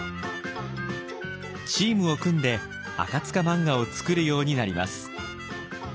チームを組んで赤漫画を作るようになります。